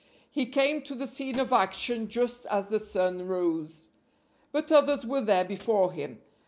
He came to the scene of action just as the sun rose. But others were there before him.